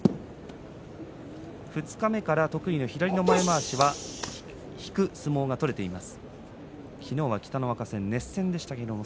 二日目から得意の左前まわし引く相撲が取れています。